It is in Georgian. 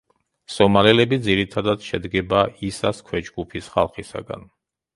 სომალელები ძირითადად შედგება ისას ქვეჯგუფის ხალხისაგან.